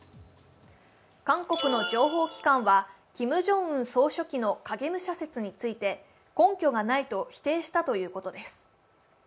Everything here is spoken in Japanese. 韓国の情報機関はキム・ジョンウン総書記の影武者説について、根拠がないと否定したということです。